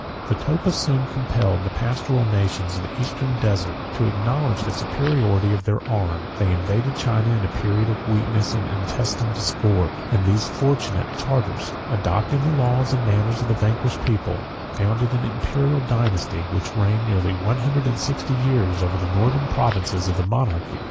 The Topa soon compelled the pastoral nations of the eastern desert to acknowledge the superiority of their arms; they invaded China in a period of weakness and intestine discord; and these fortunate Tartars, adopting the laws and manners of the vanquished people, founded an Imperial dynasty, which reigned near one hundred and sixty years over the northern provinces of the monarchy.